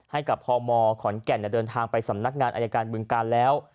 ให้กับพมขอนแก่นเดินทางไปสำนักงานอายการบึงการแล้ว